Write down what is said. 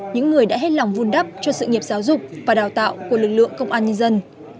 những người đã hết lòng vun đắp cho sự nghiệp giáo dục và đào tạo của lực lượng công an nhân dân